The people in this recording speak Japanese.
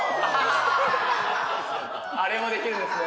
あれもできるんですね。